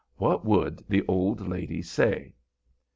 What would the old lady say?